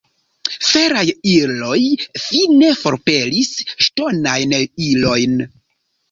Feraj iloj fine forpelis ŝtonajn ilojn.